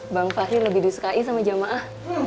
bang fahri lebih disukai sama jamaah